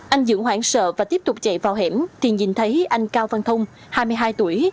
anh dưỡng hoảng sợ và tiếp tục chạy vào hẻm thì nhìn thấy anh cao văn thông hai mươi hai tuổi